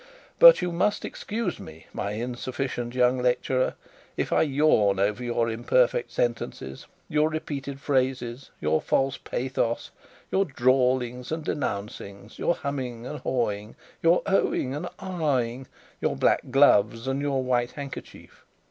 But you must excuse me, my insufficient young lecturer, if I yawn over your imperfect sentences, your repeated phrases, your false pathos, your drawlings and denouncings, your humming and hawing, your oh ing and ah ing, your black gloves and your white handkerchief.